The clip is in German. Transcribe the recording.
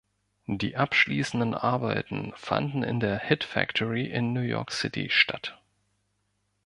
Die abschließenden Arbeiten fanden in der Hit Factory in New York City statt.